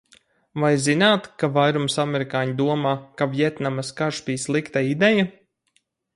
Vai zināt, ka vairums amerikāņu domā, ka Vjetnamas karš bija slikta ideja?